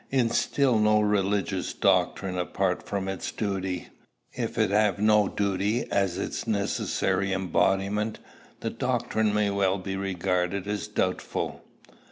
Instil no religious doctrine apart from its duty. If it have no duty as its necessary embodiment, the doctrine may well be regarded as doubtful.